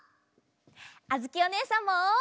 あづきおねえさんも！